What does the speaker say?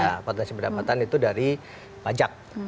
ya potensi pendapatan itu dari pajak